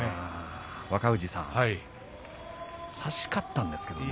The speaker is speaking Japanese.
若藤さん差し勝ったんですけれどもね。